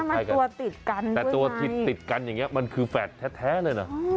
มันตัวติดกันแต่ตัวที่ติดกันอย่างนี้มันคือแฝดแท้เลยนะ